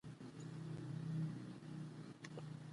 لا پر ونو باندي نه ووګرځېدلی